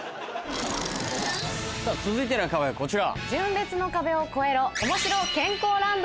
続いての壁はこちら。